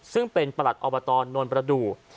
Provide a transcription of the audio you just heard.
ซึ่งเป็นประหลัดอบตนวลประดูก